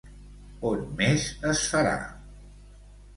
On més es farà?